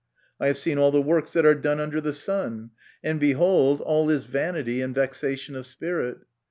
I have seen all the works that are done under the sun ; and behold, all 58 MY CONFESSION. is vanity and vexation of spirit.